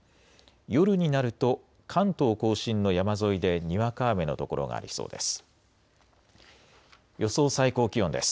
夜になると関東甲信の山沿いでにわか雨の所がありそうです。